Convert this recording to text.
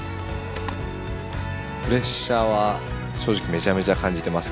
プレッシャーは正直めちゃめちゃ感じてます。